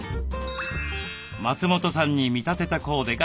松本さんに見立てたコーデがこちら。